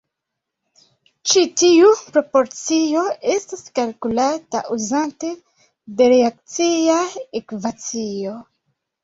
Ĉi tiu proporcio estas kalkulata uzante de reakcia ekvacio.